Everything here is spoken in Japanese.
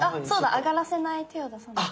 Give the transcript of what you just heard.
あがらせない手を出さないと。